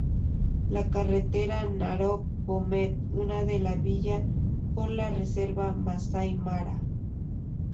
La carretera Narok-Bomet une la villa con la reserva Masái Mara.